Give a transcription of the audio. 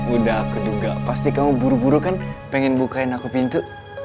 udah aku duga pasti kamu buru buru kan pengen bukain aku pintu